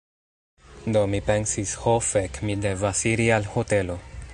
Do mi pensis "Ho fek, mi devas iri al hotelo."